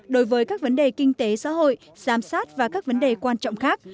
đối với các vấn đề kinh tế xã hội giám sát và các vấn đề quan trọng khác